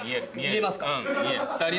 見えますか。